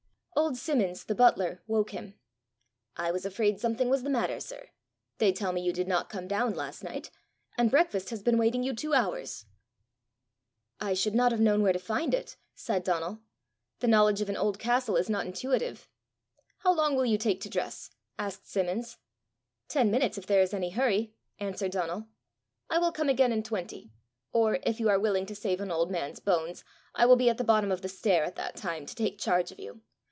Old Simmons, the butler, woke him. "I was afraid something was the matter, sir. They tell me you did not come down last night; and breakfast has been waiting you two hours." "I should not have known where to find it," said Donal. "The knowledge of an old castle is not intuitive." "How long will you take to dress?" asked Simmons. "Ten minutes, if there is any hurry," answered Donal. "I will come again in twenty; or, if you are willing to save an old man's bones, I will be at the bottom of the stair at that time to take charge of you.